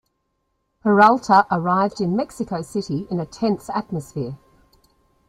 Peralta arrived in Mexico City in a tense atmosphere.